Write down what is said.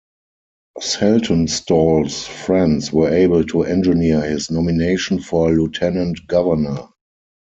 Saltonstall's friends were able to engineer his nomination for Lieutenant Governor.